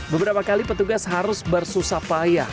beberapa kali petugas harus bersusah payah